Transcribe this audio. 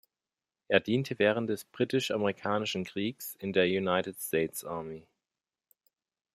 Er diente während des Britisch-Amerikanischen Kriegs in der United States Army.